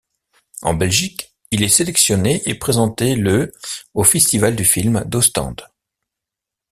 En Belgique, il est sélectionné et présenté le au Festival du film d'Ostende.